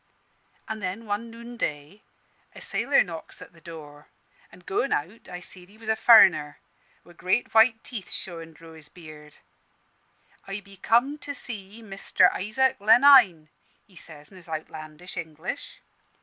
An' then, one noonday, a sailor knocks at the door; an' goin' out, I seed he was a furriner, wi' great white teeth showin' dro' his beard. 'I be come to see Mister Isaac Lenine,' he says, in his outlandish English.